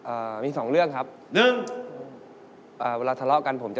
อาเมียทำให้แฟนเก่าเสียใจที่สุดคืออะไร